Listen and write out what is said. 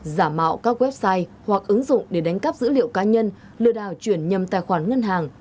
giả mạo các website hoặc ứng dụng để đánh cắp dữ liệu cá nhân lừa đảo chuyển nhầm tài khoản ngân hàng